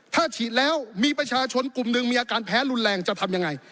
ถ้าฉีดแล้วมีประชาชนกลุ่มหนึ่งมีอาการแพ้รุนแรงจะทำยังไง